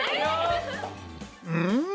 うん？